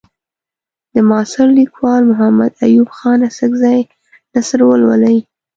د معاصر لیکوال محمد ایوب خان اڅکزي نثر ولولئ.